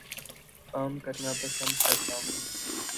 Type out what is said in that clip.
کام کرنا پسند کرتا ہوں